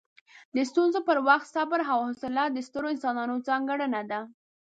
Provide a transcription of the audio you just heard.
د ستونزو پر وخت صبر او حوصله د سترو انسانانو ځانګړنه ده.